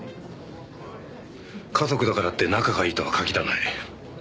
家族だからって仲がいいとは限らない。